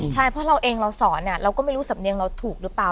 ใช่เพราะเราเองเราสอนเราก็ไม่รู้สำเนียงเราถูกหรือเปล่า